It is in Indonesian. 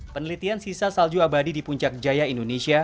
penelitian sisa salju abadi di puncak jaya indonesia